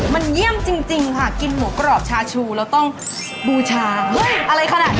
มันเยี่ยมจริงค่ะกินหมูกรอบชาชูแล้วต้องบูชาเฮ้ยอะไรขนาดนี้